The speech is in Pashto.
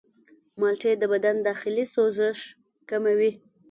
مالټې د بدن داخلي سوزش کموي.